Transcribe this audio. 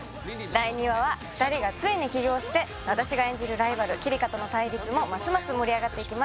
第２話は２人がついに起業して私が演じるライバルキリカとの対立もますます盛り上がっていきます